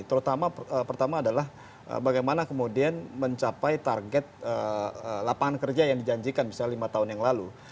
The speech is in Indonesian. terutama pertama adalah bagaimana kemudian mencapai target lapangan kerja yang dijanjikan misalnya lima tahun yang lalu